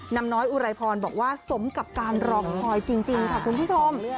น้อยอุไรพรบอกว่าสมกับการรอคอยจริงค่ะคุณผู้ชม